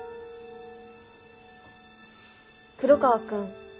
黒川くん